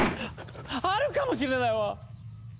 あるかもしれないわ！